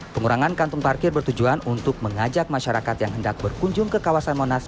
pengurangan kantung parkir bertujuan untuk mengajak masyarakat yang hendak berkunjung ke kawasan monas